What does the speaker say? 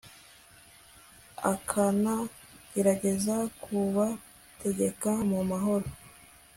akanagerageza kubategeka mu mahoro